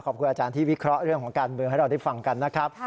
ขอบคุณอาจารย์ที่วิเคราะห์เรื่องของการเมืองให้เราได้ฟังกันนะครับ